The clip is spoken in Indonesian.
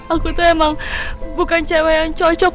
aku tuh emang bukan cewek yang cocok